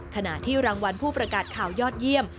ขณะที่รางวัลผู้ประกาศข่าวยอดเยี่ยม